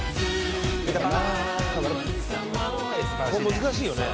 難しいよね。